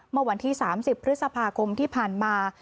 เมื่อวันที่๓๐พฤษภาคมที่ผ่านมา